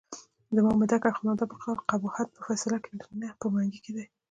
د مامدک اخندزاده په قول قباحت په فیصله کې نه په منګي کې دی.